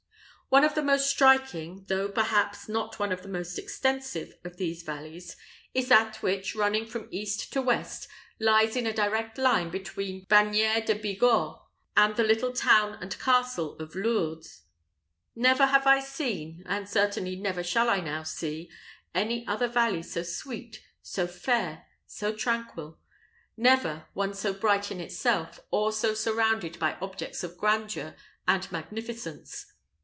One of the most striking, though perhaps not one of the most extensive, of these valleys, is that which, running from east to west, lies in a direct line between Bagneres de Bigorre and the little town and castle of Lourdes. Never have I seen, and certainly never shall I now see, any other valley so sweet, so fair, so tranquil; never, one so bright in itself, or so surrounded by objects of grandeur and magnificence.